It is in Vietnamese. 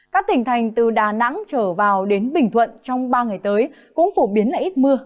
các tỉnh thành từ đà nẵng trở vào đến bình thuận trong ba ngày tới cũng phổ biến là ít mưa